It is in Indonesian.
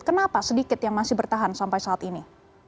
kenapa sedikit yang masih bertahan sampai saat ini